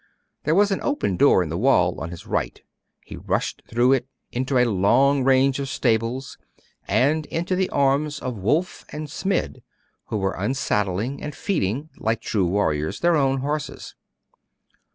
There was an open door in the wall on his right: he rushed through it, into a long range of stables, and into the arms of Wulf and Smid, who were unsaddling and feeding, like true warriors, their own horses.